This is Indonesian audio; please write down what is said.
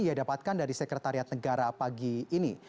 ia dapatkan dari sekretariat negara pagi ini